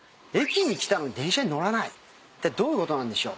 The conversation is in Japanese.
いったいどういうことなんでしょう。